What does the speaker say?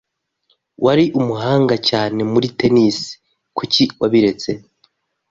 Wari umuhanga cyane muri tennis. Kuki wabiretse?